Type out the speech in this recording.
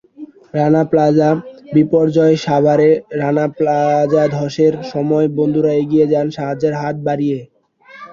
Rana plaza বিপর্যয়সাভারে রানা প্লাজাধসের সময় বন্ধুরা এগিয়ে যান সাহায্যের হাত বাড়িয়ে।